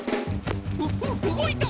うううごいた！